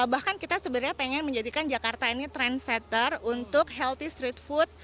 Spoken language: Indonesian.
bahkan kita sebenarnya pengen menjadikan jakarta ini trendsetter untuk healthy street food